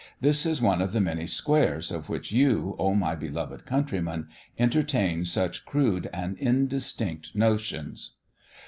This is one of the many "squares" of which you, O my beloved countrymen, entertain such crude and indistinct notions!